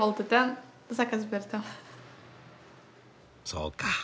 そうか。